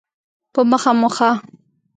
په مخه مو ښه